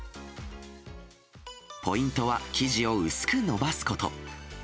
ポイントは、生地を薄く延ばすこと。